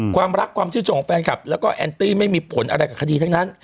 ความรักความชื่นชมของแฟนคลับแล้วก็แอนตี้ไม่มีผลอะไรกับคดีทั้งนั้น